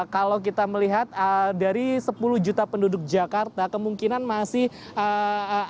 kalau kita melihat dari sepuluh juta penduduk jakarta kemungkinan masih ada